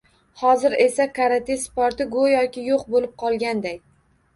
Hozir esa karate sporti goʻyoki yoʻq boʻlib qolganday.